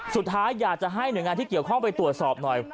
สุดท้ายอยากจะให้หน่วยงานที่เกี่ยวข้องไปตรวจสอบหน่อย